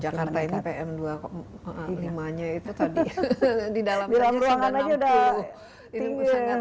jakarta ini pm dua lima nya itu tadi di dalam ruangan aja sudah tinggi